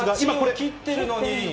８秒切ってるのに。